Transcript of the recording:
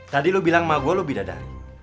tadi lu bilang sama gue lu bidadari